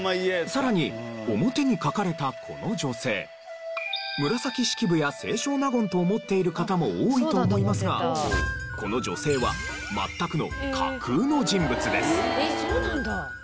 さらに表に描かれたこの女性紫式部や清少納言と思っている方も多いと思いますがこの女性は全くのそうなんだ。